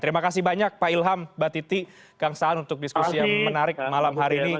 terima kasih banyak pak ilham mbak titi kang saan untuk diskusi yang menarik malam hari ini